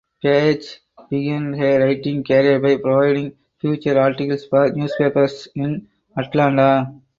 Page began her writing career by providing feature articles for newspapers in Atlanta.